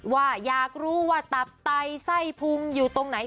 ว่าอยากรู้ว่าตับไตไส้พุงอยู่ตรงไหน